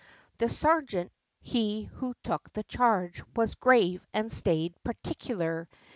The sergeant, he who took the charge was grave, and staid, particular!